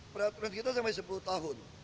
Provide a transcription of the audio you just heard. peraturan kita sampai sepuluh tahun